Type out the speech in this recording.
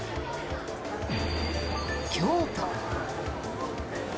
京都。